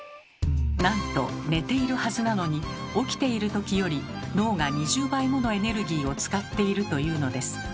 なんと寝ているはずなのに起きている時より脳が２０倍ものエネルギーを使っているというのです。